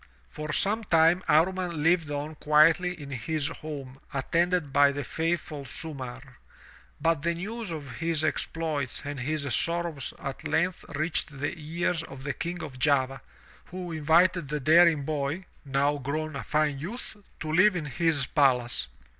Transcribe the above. For some time Amman Uved on quietly in his home attended by the faithful Sumarr. But the news of his exploits and his sorrows at length reached the ears of the King of Java, who invited the daring boy — now grown a fine youth — to live in his palace.